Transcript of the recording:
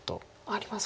ありますか。